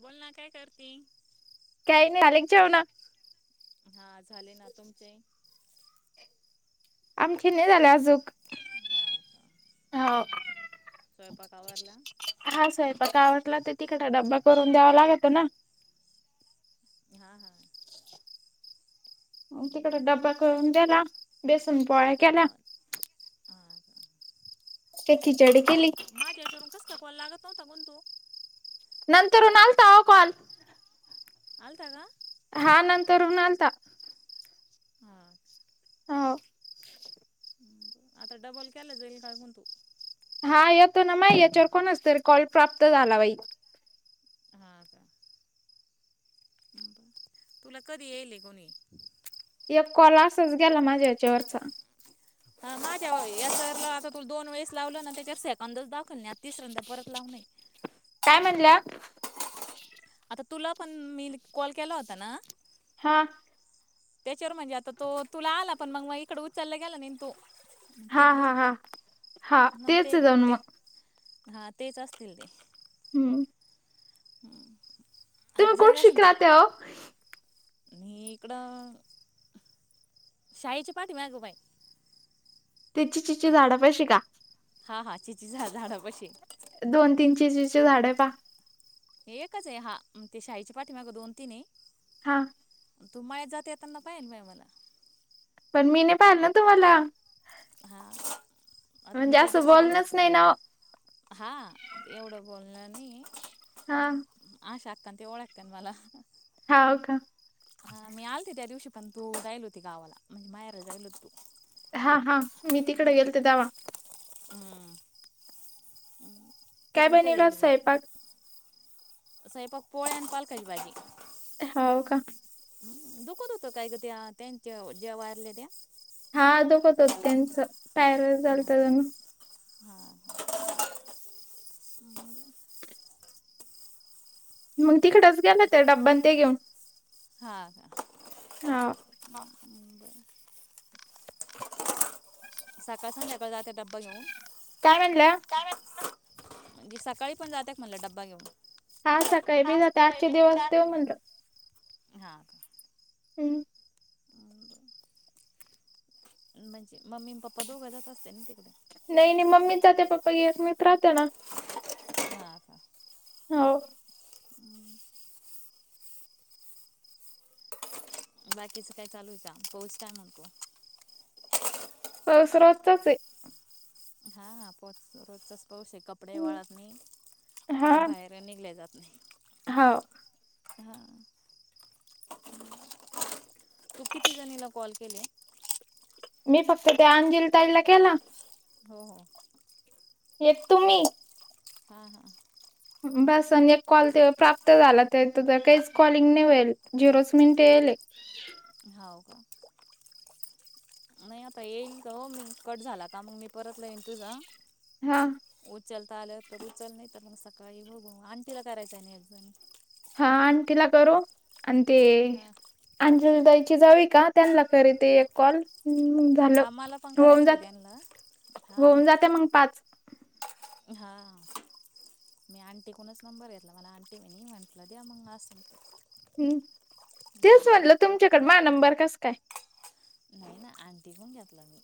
बोल ना काय करते. काही नाही झाले का जेवण? हा झाले ना. तुमचे? आमचे नाही झाले आजूक. हा का हा स्वयंपाक आवरला? हा स्वयंपाकावर तर तिकड डब्बा करून द्यावा लागतो ना. हा हा हव तिकड डब्बा करून हो दिला. बेसन पोळ्या हा केल्या. हा का ते खिचडी केली. होता. पण तू नंतर ऊन आलता ओ कॉल आलताा का? हा नंतरुन आलता. हा हो. आता डबल केलं जाईल का अजून तो? हा येतो ना माया याच्यावर कोणचा तरी कॉल प्राप्त झाला बाई. हा आ तुला कधी येईल कोणी एक कॉल आसच गेला माझ्या या्याच्यावरचा. हा माझ्या याचा वर आता तुला दोन वेळेस लावलं ना त्याच्यावर सेकंदच दाखवल नाही आता तिसऱ्यांद परत लावन आहे काय म्हणल्या आता तुला पण मी कॉल केला होता ना? हा त्याच्यावर म्हणजे आता तो तुला आला पण मग मग इकड उचलला गेला नाही तो हा तिकडून हा हा हा तेच ये जणू मग. हा तेच असतील ते हम्म हम्म तुम्ही कुडशिक राहत्या ओ. आणि इकडं शाईच्या पाठीमागं बाई तिची चिची झाडा पशी का? हा, हा चिची झा झाडं पशी दोन तीन चिचीची झाडे आहे पा एकच आहे हा ते शाहीची पाठी माग दोन, तीन आहे हा तू माया्या जात येताना पाहिल माय मला पण मी नाही पाहिल ना तुम्हाला हा आ मी म्हणजे त्या असं दिवशाल बोलणंच नाही ना हा एवढं बोल आणि हा म पण हाव का तू जायल होती गावाला म्हणजे मायार जायलच तू हा, हा मी तिकडे गेलते जावा हमं काय बनविला स्वयंपाक स्वयंपाक पोळ्या अन पालकाची भाजी होव का ह् दुःखं दुःतं कायकते ते जेवयारले्या त्या हा दुकत हो त्यांच पायर झाल्त त्यांना हा मग तिकडच गेलं ते डब्ब ते घेऊन हा हा का बरं सकाळ सन हका ज ते डब्बा घऊन का म्हणलं म्हणजे सकाळी पण जात म्हणलं ड्बा घेऊन हा सकाळी मी हा जाते आजचे दिवस देव म्हणलं ह का हम् हम्म, म्हणजे मम्मी पप्पा दोघंच असते ना तिकडे नाही नाही मम्मी जहात पप्पा ग मी राहते ना हा का हो हम्म, बाकीचं काय चालूच पोच काय नतो पासरवजताच आहे हां, हा पत रोजचाच पाऊस आहे कपडे हम्म. वाळत नाही बाहेर निघले जात नाही हा हा तू किती जणीला कॉल केले. मी फक्त ते अंजिलताईला केला. [inaudible] येत तुम्ही. [unintelligible] बस आणि एक कॉल ते प्राप्त झाला तर त काहीच कॉलिंग नाही होईल झिरोच मिनिटे येईल एक. ह. हां हो का नाही आता येईल का मी कट झाला का मग मी परतला येईन तुझा हा चलता आलं तघू चल नाही तर मग सकाळी बघू आंटीला करायचं आहे नाही एकजण हा आण तीला करू आणि ते हां अंजलीताईची जाव आहे का त्यांना करी ते एक कॉल हम् झालं, हां मला पण होऊन करायचं आहे जात त्यांना हां होऊन जातेय मग पाच हां मी आंटीकूनच नंबर घेतला मला आंटी नी म्हंटलं द्या मग असंल तर हम्म, तेच म्हणलं तुमच्याकडं माझा नंबर कस काय? नाही ना आंटी कुण घेतला मी.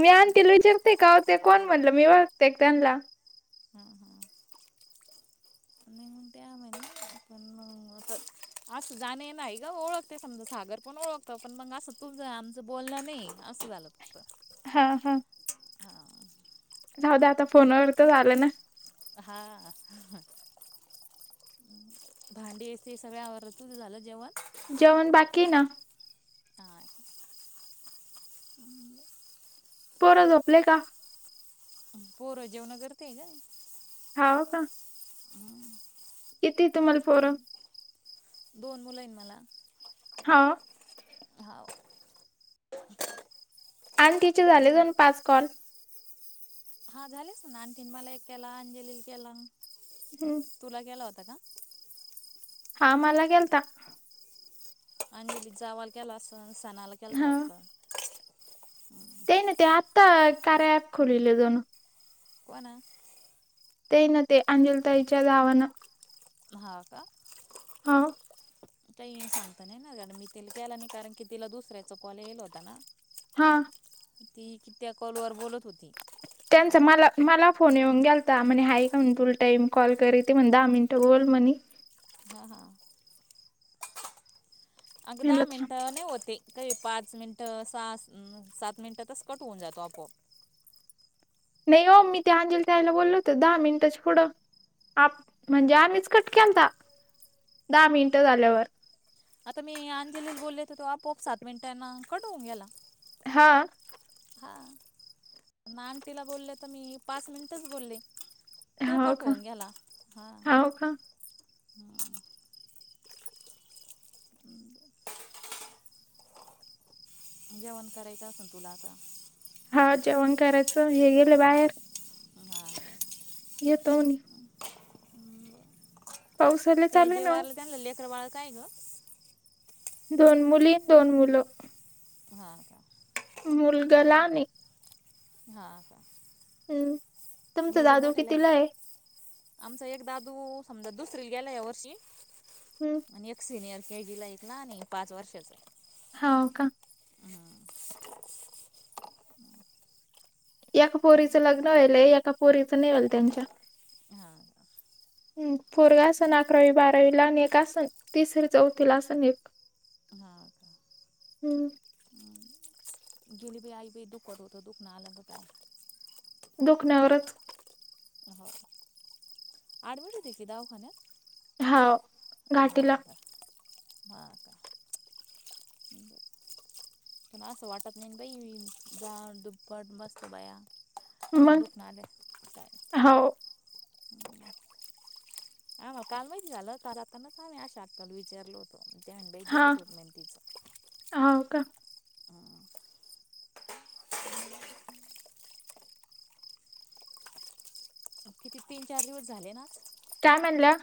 मी आंटीला विचारते का ते कोण म्हणलं मी ओळाखते का त्यांना.. [inaudible] [unintelligible] [unintelligible] सागर पण ओळखतो पण मग असं तूम आमचं बोलण नाही असं झालं फक्त. हा हा. हां जाऊ द्या आता फोनवर तर झालं ना. हा. भांडी ते सगळं आवरलं तुझं झालं जेवण? जेवण बाकी ना. हां पोर झोपले का? पोरं जेवणं करतेय गं. हा का! हम्म. किती तुम्हाला पोर? दोन मुलं येत मला. हा. हा. अटीचे झाले जणू पाच कॉल? हा झाले असेल ना आणखीन मला एक केला अंजलीला केला, हम्म तुला केला हो [unintelligible] हा मला केलता. आणि तिच्या जावला केला असल सनाला केला हा वाटतं? ते ना ते आत्ता कार्य ऍप खोलले जणू. कोण? ते न ते अंजलीताईच्या जावनं. हा का! हा. काही सांगता नाही येणार गड्या मी तिला केला नाही कारण की तिला दुसऱ्यांचा कॉल येईला होता ना. हा. ती कि त्या कॉल वर बोलत होती. त्यांचा मला मला फोन येऊन ग्यालता, म्हणे हाय का म्हणे तुला टाईम कॉल करते म्हणे दहा मिनटं बोल म्हणे. [inaudible] हा हा. अग दहा म्हणलं थांब मिनटे नाही होते कही पाच पाच मिनटं स सात मिनिटातच कट होऊन जातो आपोआप. नाही हो मी ते अंजलीताईला बोललं होते दहा मिनिटाच्या पुढं आप म्हणजे आम्हीच कट केलता, दहा मिनिट झाल्यावर. आता मी अंजलीला बोलले तर तो आपआप सात मिनिटान कट होऊन गेला. हा. हा, मग आणंटीला बोलले तर मी पाच मिनिटच बोलले. तो हा कट का होऊन गेला हां होव का! [unintelligible] जेवणं करायचं असेल तुला आता? हा जेवणं करायचं हे गेले बाहेर. हां हां येतोनी. ते चालू आहे जे ना ओ वाारलं त्यां लेकर बाळ काय ग.? दोन मुली दोन मुलं. [unintelligible] मुलगा लहान आहे. हा. हम्म तुमचा मुली दादू मोठ्याला कितवीला आहे? आमचा एक दादू समजा दुसरी गेला या वर्षी हं, आणि एक सिनियर. के जी ला येत ना आणि पाच वर्षाच. हो का? हम. एका पोरीचं लग्न व्हालय एका पोरीचं नाही वईल त्यांच्या. हा का ह पोरग असन अकरावी बारावी ला आणि एक‌ असन तिसरी चौथी लाअसन एक. हा. [inaudible] हम्म. हम्म. गेली प आई प दुख करतोत दुःख न आलं का काय. दुखण्यावरच हो आरमीट होती ती दवाखान्यात? हा. हा का हा का [unintelligible] अस वाटात नाही बाई जा दुपट बस चबया. मग? हो. [unintelligible] ह मग काल माहिती झालं काल आताच आम्हीश आशाक्का ला विचारल होत. हां, [unintelligible] हो का. हा किती तीन-चार दिवस झाले ना? काय म्हणल्या?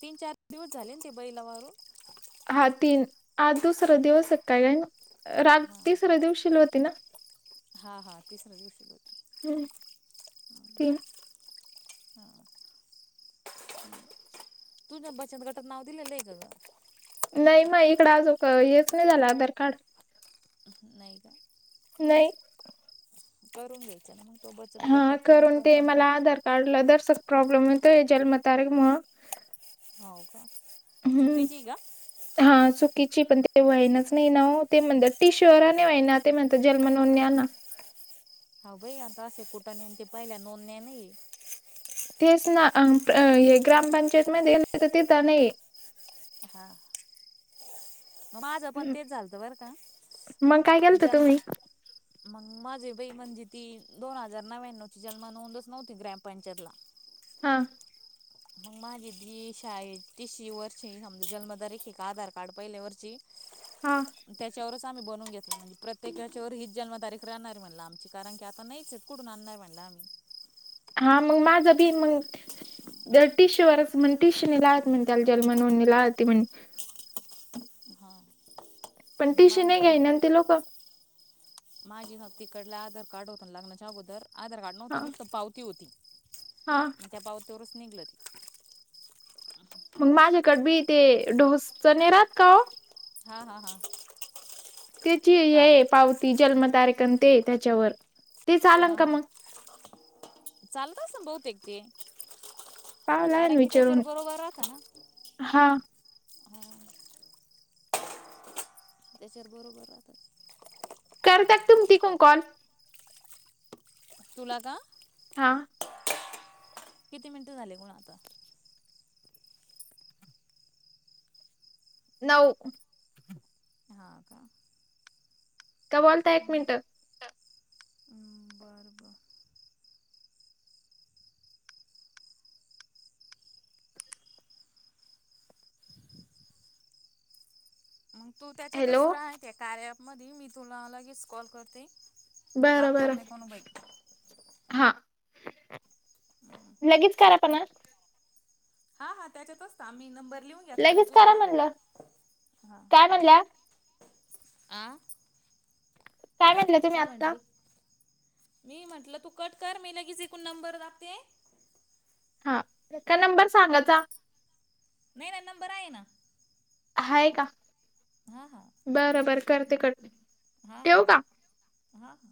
तीन-चार दिवस झाले ते बाई ला वारून. हा तीन आज दुसरा दिवस आहे काय. राख तिसर्या दिवशील होती ना? हा हा तिसऱ्या बोल. हं, हम. तुझ्या बचत गटात नाव दिलेलं ग. नाही म इकडं अजून हेच नाही झालं आधार कार्ड‌. नाहीय का. नाही. करून घ्यायचं ना मग. तो बचत हा गटात करून लागतो ते मला कंपस आधार कार्ड ला दर्शक प्रॉब्लेम आहे त जन्म तारीख म हो का चुकीची हाय का? किची पण ते व्हाईनच नाही ना ते म्हणत टिशर न व ना ते म्हणत जन्म नोंद. हा बाई आता असे कुठा न ते पहिल्या नोंदण्या नाही. तेच ना हे ग्रामपंचायत म तर तिथ नाही. हा.... मग माझं पण तेच झालत बर का मग काय केलंत जन्म तुम्ही? मग माझे. म्हणजे ती दोन हजार नव्याण्णव ची जन्म नोंदच नव्हती ग्रामपंचायतला. हा. मग माझी दिशा आहे तिशी वर्ष मजे जन्म तारीख एक आधार कार्ड पहिल्या वर्ची. हां. त्याच्यावरच आम्ही बनून घेतल. म्हणजे प्रत्येकाच्या वर हीच जन्मतारीख राहणार म्हणला आमची कारण की आता नाहीच आहेत कुडून आणणार म्हणला आम्ही... हा मग माझं बी मग.. जर टिशूवरच म्हण टिशून लात म्हण त्याला जन्म नोणी लाती म्हण... हां पण मग टीशी माझी नाही पहिले घ्याईन ते लोक... माझी ना तिकडला आधार कार्ड होतो लग्नाच्या अगोदर आधार कार्ड नव्हतोच पावती होती... हा... तोस निघलत... मग माझ्याकड बी ते ढोस न राहात का हो... हा हा हा... त्याची हे पावती जन्म तारेकणते त्याच्यावर ते चालान हां का हां मग... चालत अस बहुतेक ते.. पावला कारण त्याच्यावर विचारून बरोबर अस... हा त्याचेर बरोबर आता... करताात तुम तिकून कॉल सूला हा... किती मिनिटं झाले कोण आता... नऊ... हां का.... का बोलता एक हम्म मिनट... हम्म बरं बरं मग तू हॅलो त्याच्यातच राहते आहे कार ॲपमध्येध मी तुला लगेच कॉल करते.... लाग बरं बरं तोक्णे कोणुभई हा लगेच क पण... हा हा त्याच्यात बर का आम्ही नंबर... लिहून घेतलाला आहे लगेच करा तुझा म्हणलं हा काय म्हणल्या. आ.. काय म्हणल्या तुम्ही काय आता.... म्हंटली मी म्हटलं तू कट कर मी लगेच एकूण नंबर दाबते... हा त्या का नंबर सांगाचा... नाही नाही नंबर आहे ना... हाय का हा हा बरोबर करते करते... हा हा हा हा....